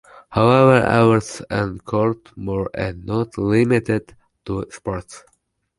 However, awards at Court Moor are not limited to sports.